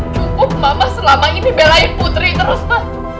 cukup mama selama ini belain putri terus pak